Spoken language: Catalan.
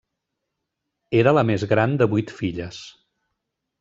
Era la més gran de vuit filles.